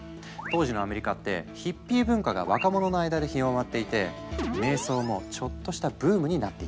当時のアメリカってヒッピー文化が若者の間で広まっていて瞑想もちょっとしたブームになっていたんだ。